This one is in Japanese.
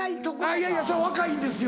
いやいやそれは若いんですよ。